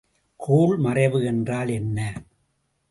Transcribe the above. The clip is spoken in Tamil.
கோள் மறைவு என்றால் என்ன?